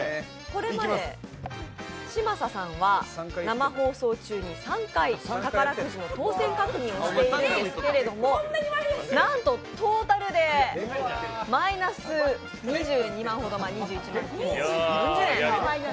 これまで嶋佐さんは生放送中に３回宝くじの当選確認しているんですけどなんとトータルで、マイナス２２万ほど、２１万９７４０円。